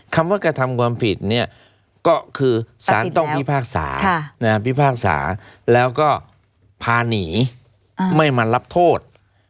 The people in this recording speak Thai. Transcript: คำว่ากระทำความผิดคือสาธารณีต้องพิภาษาแล้วก็พาหนีไม่มารับโทษ